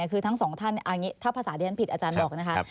คือทั้งสองท่านถ้าภาษาที่ฉันผิดอาจารย์บอกนะคะ